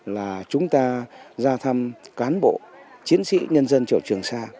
là chúng ta ra thăm cán bộ chiến sĩ nhân dân đảo trường sa